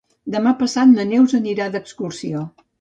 Demà passat na Neus anirà d'excursió.